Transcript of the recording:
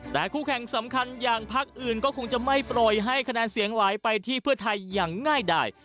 แต่คู่แข่งสำคัญอย่างพักอื่นก็คงจะไม่ปล่อยให้คะแนนเสียงไหลไปที่เพื่อไทยอย่างง่ายดาย